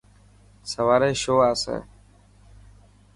سواري شو آسي.